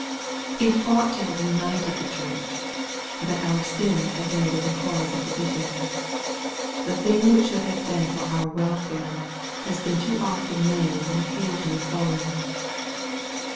It ought to have united the church, but our sins have made it a cause of division. The thing which should have been for our welfare, has been too often made an occasion of falling.